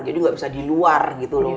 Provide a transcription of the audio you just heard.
jadi tidak bisa di luar gitu loh